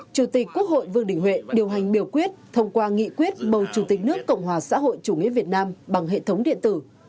chủ tịch quốc hội vương đình huệ điều hành biểu quyết thông qua nghị quyết bầu chủ tịch nước cộng hòa xã hội chủ nghĩa việt nam bằng hệ thống điện tử